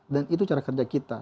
dan itu cara kerja kita